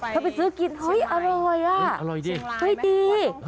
เธอไปซื้อกินเฮ้ยอร่อยอ่ะเฮ้ยดี